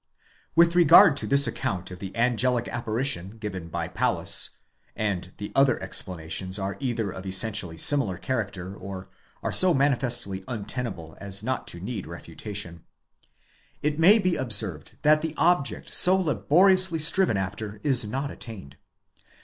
With regard to this account of the angelic apparition given by Paulus,— and the other explanations are either of essentially similar character, or are so manifestly untenable, as not to need refutation—it may be observed that the object so laboriously striven after is not attained.